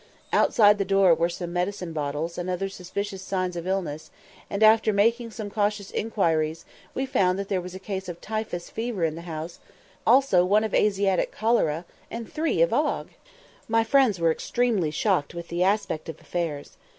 Outside the door were some medicine bottles and other suspicious signs of illness, and, after making some cautious inquiries, we found that there was a case of typhus fever in the house, also one of Asiatic cholera, and three of ague! My friends were extremely shocked with the aspect of affairs.